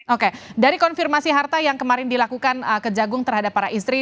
oke dari konfirmasi harta yang kemarin dilakukan kejagung terhadap para istri